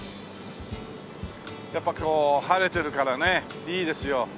やっぱこう晴れてるからねいいですよ。